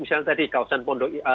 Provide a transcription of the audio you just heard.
misalnya tadi kawasan pondok